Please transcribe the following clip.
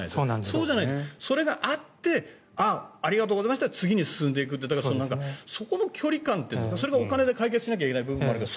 そうじゃない、それがあってありがとうございますで次に進んでいくその距離感というかそれがお金で解決しなきゃいけない部分もあるけど。